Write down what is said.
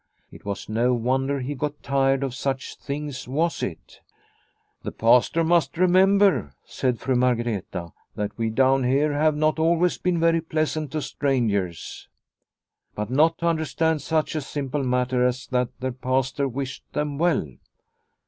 It was no wonder he got tired of such things, was it ? The Pastor must remember, said Fru Mar greta, " that we down here have not always been very pleasant to strangers." But not to understand such a simple matter as that their Pastor wished them well